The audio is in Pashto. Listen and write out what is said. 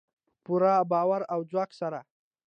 په پوره باور او ځواک سره.